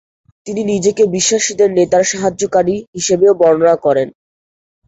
তিনি নিজেকে ’বিশ্বাসীদের নেতার সাহায্যকারী’ হিসেবেও বর্ণনা করেন।